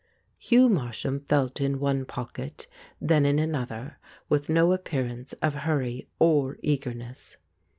Hugh Marsham felt in one pocket, then in another, with no appearance of hurry or eagerness.